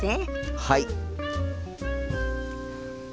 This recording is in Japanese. はい！